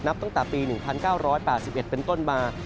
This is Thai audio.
ตั้งแต่ปี๑๙๘๑เป็นต้นมา